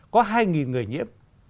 có hai người nhiễm